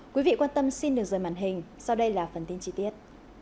quý vị quan tâm xin được rời màn hình sau đây là phần tin chi tiết